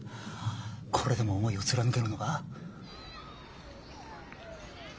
これでも思いを貫けるのか？